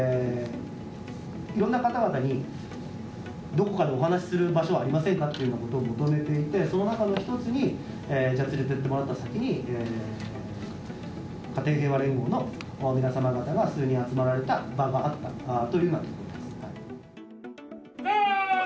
いろんな方々にどこかでお話しする場所はありませんか？というようなことを求めていて、その中の一つに、連れていってもらった先に、家庭平和連合の皆様方が数人集まられた場があったというようなことです。